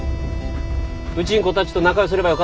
うちん子たちと仲良うすればよ